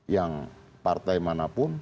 yang partai manapun